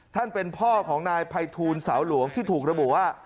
ท่านเป็นพ่อของนายภัยทูลสาวหลวงที่ถูกระบุว่า